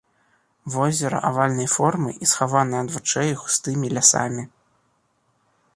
Возера авальнай формы і схаванае ад вачэй густымі лясамі.